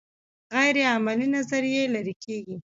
غیر عملي نظریې لرې کیږي.